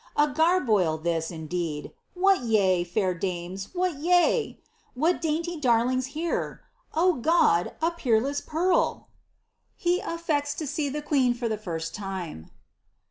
A garboil thii, indeed I What yea, fair dames, what yeal What dainty darlings here 1 Oh, Giod I a peerless pearl 1 (He affecti to see the queen fir theflrai turn.)